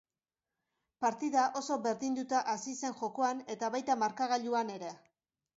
Partida oso berdinduta hasi zen jokoan eta baita markagailuan ere.